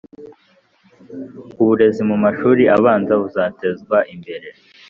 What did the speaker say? uburezi mu mashuri abanza buzatezwa imbere